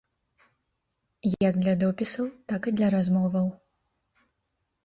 Як для допісаў, так і для размоваў.